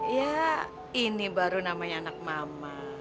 ya ini baru namanya anak mama